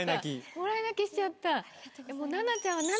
もらい泣きしちゃった。